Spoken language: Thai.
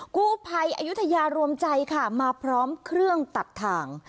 กู้ภัยอายุทยารวมใจค่ะมาพร้อมเครื่องตัดทาง